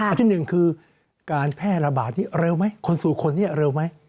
อันที่๑คือการแพร่ระบาดนี่เร็วไหมคนสู่คนเร็วไหม